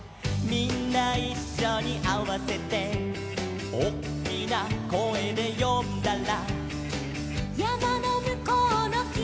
「みんないっしょにあわせて」「おっきな声で呼んだら」